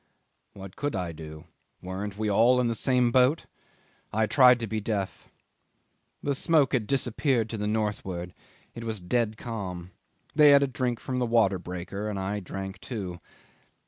What could I do? Weren't we all in the same boat? I tried to be deaf. The smoke had disappeared to the northward. It was a dead calm. They had a drink from the water breaker, and I drank too.